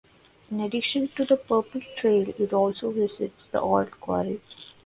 In addition to the purple trail it also visits the Old Quarry.